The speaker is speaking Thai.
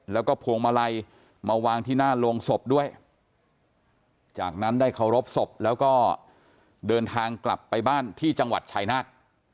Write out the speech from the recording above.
แล้วก็พวงมาลัยมาวางที่หน้าโรงศพด้วยจากนั้นได้เคารพศพแล้วก็เดินทางกลับไปบ้านที่จังหวัดชายนาฏ